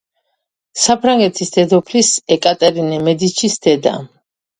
საფრანგეთის დედოფლის, ეკატერინე მედიჩის დედა.